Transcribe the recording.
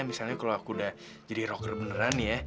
gini nanti ya misalnya kalau aku udah jadi rocker beneran nih ya